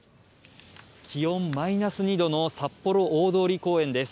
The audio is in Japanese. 気温マイナス２度の札幌大通公園です。